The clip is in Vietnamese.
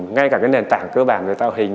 ngay cả cái nền tảng cơ bản về tạo hình